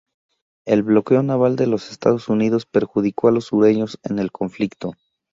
El bloqueo naval de los Estados Unidos perjudicó a los sureños en el conflicto.